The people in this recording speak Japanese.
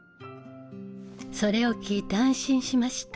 それを聞いて安心しました。